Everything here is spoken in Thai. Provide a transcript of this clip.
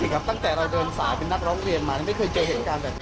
ตั้งแต่เราเดินสายเป็นนักร้องเรียนมาไม่เคยเจอเหตุการณ์แบบนี้